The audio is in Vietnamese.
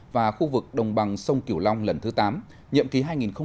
và khu vực đồng bằng sông kiểu long lần thứ tám nhiệm ký hai nghìn một mươi sáu hai nghìn hai mươi một